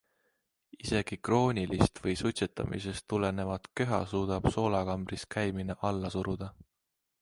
Isegi kroonilist või suitsetamisest tulenevat köha suudab soolakambris käimine alla suruda.